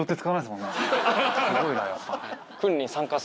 すごいなやっぱ。